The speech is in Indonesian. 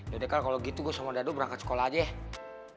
yaudah kan kalau gitu gue sama dadu berangkat sekolah aja